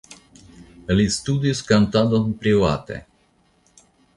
Li studis kantadon private.